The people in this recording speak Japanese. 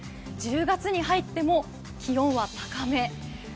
１０月に入っても気温は高め。